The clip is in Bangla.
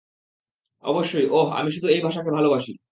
অবশ্যই, ওহ, আমি শুধু এই ভাষাকে ভালোবাসি।